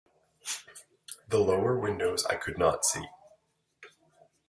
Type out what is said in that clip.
The lower windows I could not see.